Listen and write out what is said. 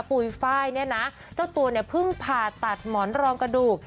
ปุ๋ยไฟล์เนี่ยนะเจ้าตัวเนี่ยเพิ่งผ่าตัดหมอนรองกระดูก